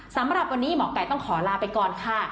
สำหรับวันนี้หมอไก่ต้องขอลาไปก่อนค่ะ